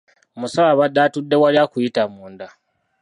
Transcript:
Omusawo abadde atudde wali akuyita munda.